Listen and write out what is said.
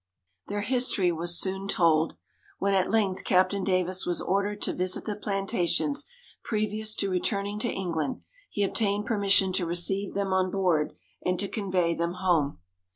Their history was soon told. When at length Captain Davis was ordered to visit the plantations, previous to returning to England, he obtained permission to receive them on board and to convey them home.